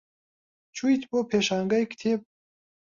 چوویت بۆ پێشانگای کتێب؟